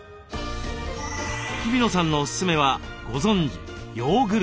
日比野さんのオススメはご存じヨーグルト。